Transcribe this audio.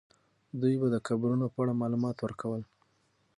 دوی به د قبرونو په اړه معلومات ورکولې.